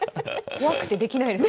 怖くてできないです。